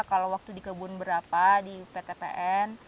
kalau waktu di kebun berapa di ptpn